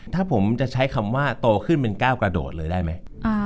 ถ้าผมจะใช้คำว่าโตขึ้นเป็นก้าวกระโดดเลยได้ไหม